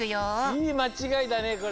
いいまちがいだねこれ！